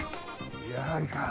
やはりか！